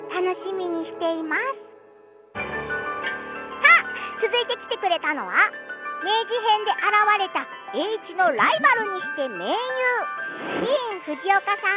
さあ、続いて来てくれたのは明治編で現れた栄一のライバルにして盟友ディーン・フジオカさん